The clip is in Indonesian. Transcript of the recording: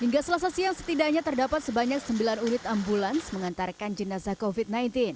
hingga selasa siang setidaknya terdapat sebanyak sembilan unit ambulans mengantarkan jenazah covid sembilan belas